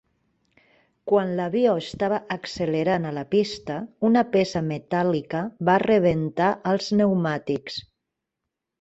Quan l'avió estava accelerant a la pista, una peça metàl·lica va rebentar els neumàtics.